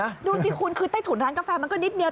ดูสิคุณคือใต้ถุนร้านกาแฟมันก็นิดเดียว